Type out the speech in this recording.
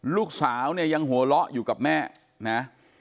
ลูกสาวเนี่ยยังหัวเราะอยู่กับแม่นะ